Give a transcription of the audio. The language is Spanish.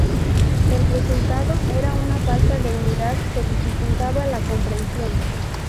El resultado era una falta de unidad que dificultaba la comprensión.